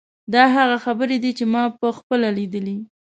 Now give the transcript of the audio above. دا هغه خبرې دي چې ما په خپله لیدلې.